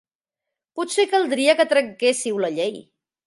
Potser caldria que trenquésseu la llei.